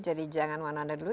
jadi jangan wanda wanda dulu